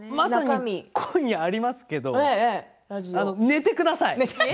今夜ありますけど寝てください！